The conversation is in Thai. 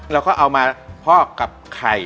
แต่ว่าพอกับไข่